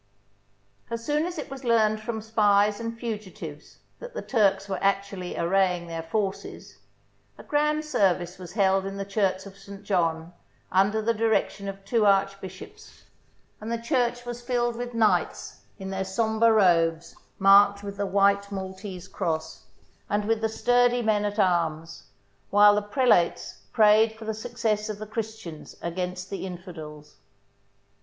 As soon as it was learned from spies and fugitives that the Turks were actually arraying their forces, a grand service was held in the Church of St. John under the direction of two archbishops, and the church was filled with knights in their sombre robes marked with the white Maltese cross, and with the sturdy men at arms, while the prelates prayed for the success of the Christians against the infidels.